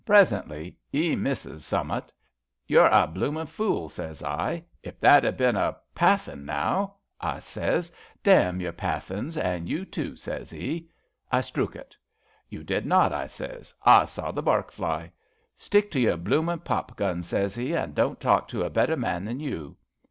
Presently, *e misses summat. * You're a bloomin' fool/ sez I. * If that had been a Pathan, now I ' I sez. * Damn your Pa thans, an' you, too,' sez 'e. * I strook it.' * You did not,' I sez, * I saw the bark fly.' * Stick to your bloomin' pop guns,' sez 'e, * an' don't talk to a better man than you.'